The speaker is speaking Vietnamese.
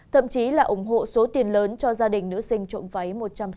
thậm chí là ủng hộ số tiền lớn cho gia đình nữ sinh trộm váy một trăm sáu mươi